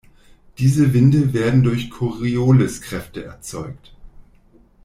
Diese Winde werden durch Corioliskräfte erzeugt.